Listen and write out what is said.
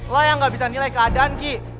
lo yang gak bisa nilai keadaan ki